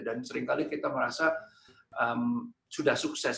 dan seringkali kita merasa sudah sukses